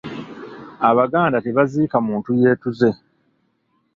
Abaganda tebaziika muntu yeetuze.